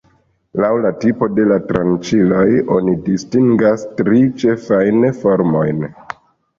Laŭ la tipo de la tranĉiloj oni distingas tri ĉefajn formojn.